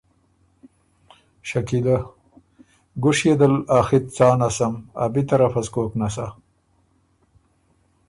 شکیلۀ ـــ ګُوشئ دل ا خِط څا نسم ا بی طرفه سو کوک نسا؟